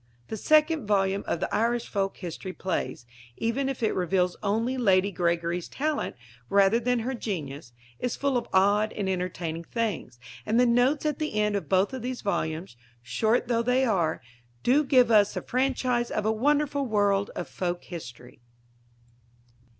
The second volume of the Irish Folk History Plays, even if it reveals only Lady Gregory's talent rather than her genius, is full of odd and entertaining things, and the notes at the end of both of these volumes, short though they are, do give us the franchise of a wonderful world of folk history.